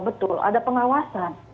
betul ada pengawasan